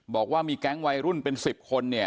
บอกว่ามีแก๊งวัยรุ่นเป็นสิบคน